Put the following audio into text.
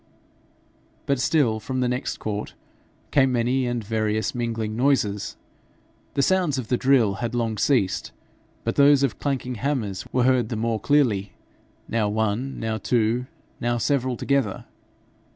But still from the next court came many and various mingling noises. The sounds of drill had long ceased, but those of clanking hammers were heard the more clearly, now one, now two, now several together.